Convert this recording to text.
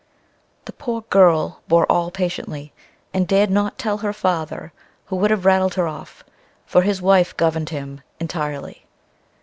The poor girl bore all patiently, and dared not tell her father, who would have rattled her off; for his wife governed him intirely.